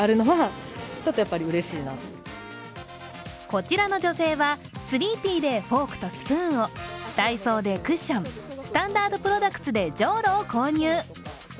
こちらの女性はスリーピーでフォークとスプーンをダイソーでクッションスタンダードプロダクツでじょうろを購入。